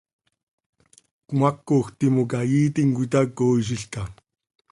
¿Cmaacoj timoca iiitim cöitacooizilca?